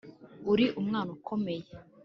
uri umwana ukomeye